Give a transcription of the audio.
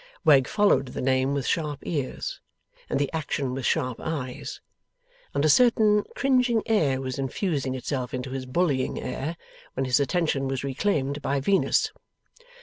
Wegg followed the name with sharp ears, and the action with sharp eyes, and a certain cringing air was infusing itself into his bullying air, when his attention was re claimed by Venus.